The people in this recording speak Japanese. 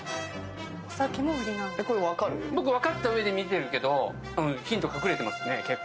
分かった上で見てるけどヒント隠れてますね結構。